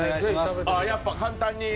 あっやっぱ簡単に。